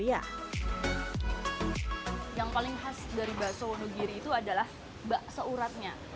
yang paling khas dari bakso wonogiri itu adalah bakso uratnya